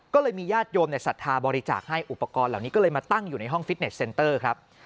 ก็เลยมีญาติโยมศรัทธาบริจาคให้อุปกรณ์เหล่านี้ก็เลยมาตั้งอยู่ในห้องฟิตเน็ตเซ็นเตอร์ครับ